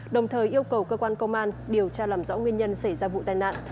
đồng thời yêu cầu cơ quan công an điều tra làm rõ nguyên nhân xảy ra vụ tai nạn